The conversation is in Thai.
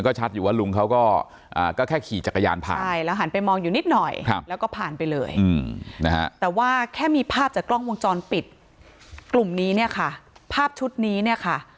กระยานผ่านแล้วหันไปมองอยู่นิดหน่อยครับแล้วก็ผ่านไปเลยอืมนะฮะแต่ว่าแค่มีภาพจากกล้องวงจรปิดกลุ่มนี้เนี่ยค่ะภาพชุดนี้เนี่ยค่ะ